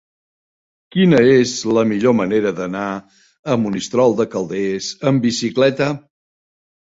Quina és la millor manera d'anar a Monistrol de Calders amb bicicleta?